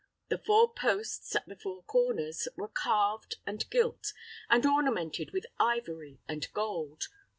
The four posts, at the four corners, were carved, and gilt, and ornamented with ivory and gold.